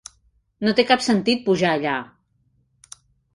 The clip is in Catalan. No té cap sentit pujar allà!